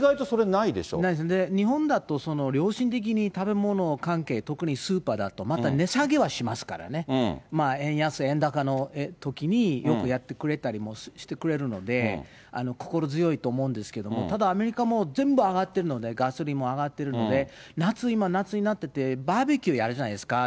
ないですね、日本だと良心的に食べ物関係、特にスーパーだとまた値下げはしますからね、円安、円高のときに、よくやってくれたりもしてくれるので、心強いと思うんですけども、ただ、アメリカも全部上がってるので、ガソリンも上がってるので、夏、今、夏になってて、バーベキューやるじゃないですか。